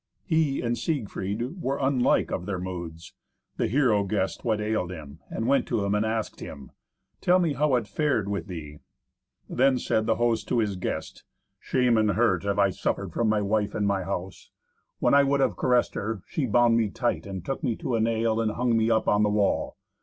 He and Siegfried were unlike of their moods. The hero guessed what ailed him, and went to him and asked him, "Tell me how it hath fared with thee." Then said the host to his guest, "Shame and hurt have I suffered from my wife in my house. When I would have caressed her, she bound me tight, and took me to a nail, and hung me up on the wall.